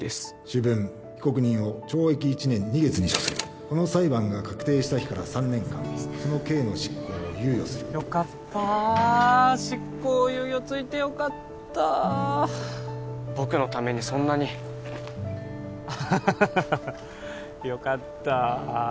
主文被告人を懲役１年２月に処するこの裁判が確定した日から３年間その刑の執行を猶予するよかった執行猶予ついてよかった僕のためにそんなにあははははよかった